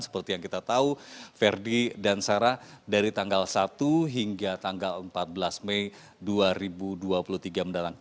seperti yang kita tahu verdi dan sarah dari tanggal satu hingga tanggal empat belas mei dua ribu dua puluh tiga mendatang